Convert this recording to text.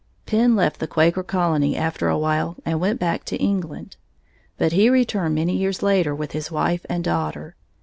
Penn left the Quaker colony after a while and went back to England. But he returned many years later with his wife and daughter.